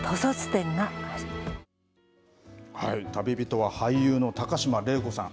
旅人は俳優の高島礼子さん。